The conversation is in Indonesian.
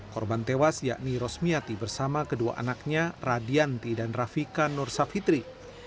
korban tewas yakni rosmiati bersama kedua anaknya radianti dan rafika nursafitri